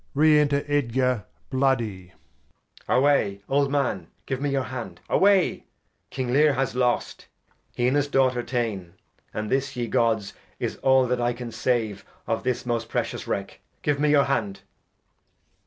Re enter Edgar, bloody. Edg. Away, old Man, give me your Hand, away! King Lear has lost ; he and his Daughter tane. And this, ye Gods, is all that I can save Of this most precious Wreck ; give me your Hand.